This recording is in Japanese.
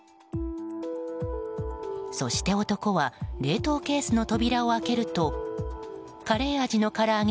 そして、男は冷凍ケースの扉を開けるとカレー味のから揚げ